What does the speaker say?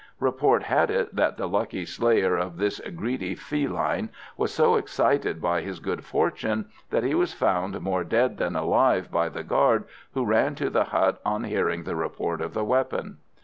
Report had it that the lucky slayer of this greedy feline was so excited by his good fortune that he was found more dead than alive by the guard who ran to the hut on hearing the report of his weapon.